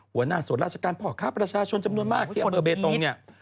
หัวหน้าส่วนราชการพ่อค้าประชาชนจำนวนมากที่อำเภอเบตงเนี่ย